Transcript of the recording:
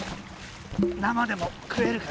生でも食えるかな。